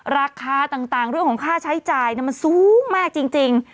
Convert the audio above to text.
ราคาต่างเรื่องของค่าใช้จ่ายมันสูงมากจริง